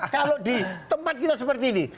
kalau di tempat kita seperti ini